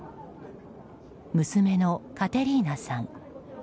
娘のカテリーナさん。